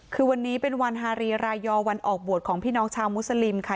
คือวันนี้เป็นวันฮารีรายยอวันออกบวชของพี่น้องชาวมุสลิมค่ะ